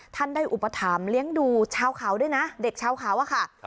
ท่านได้อุปถัมภ์เลี้ยงดูชาวเขาด้วยนะเด็กชาวเขาอะค่ะ